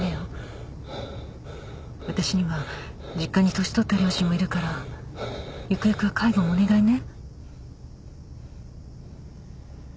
私には実家に年取った両親もいるからゆくゆくは介護もお願いね。